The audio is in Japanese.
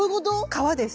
皮です。